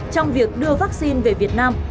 trong việc đưa vaccine về việt nam